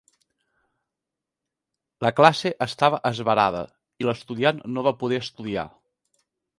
La classe estava esverada, i l'estudiant no va poder estudiar